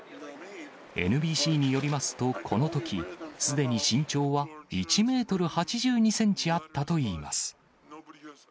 ＮＢＣによりますと、このとき、すでに身長は１メートル８２センチあったといいます。